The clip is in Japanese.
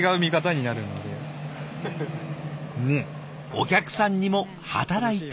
お客さんにも働いてもらう。